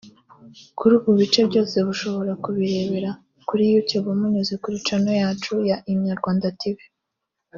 Kuri ubu bice byose bushobora kubirebera kuri Youtube munyuze kuri Channel yacu ya Inyarwanda Tv